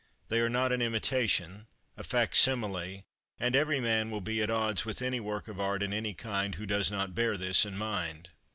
They are not an imitation, a fac simile, and every man will be at odds with any work of art in any kind who does not bear this in mind.